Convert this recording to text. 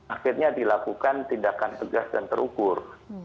akhirnya dilakukan tindakan tegas dan terukur